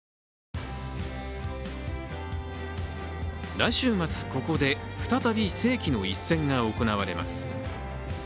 来週末、ここで再び世紀の一戦が行われます。